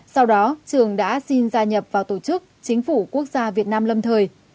sau đó trường đã xin gia nhập vào tổ chức chính phủ quốc gia việt nam lâm thời